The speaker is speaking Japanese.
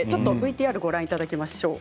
ＶＴＲをご覧いただきましょう。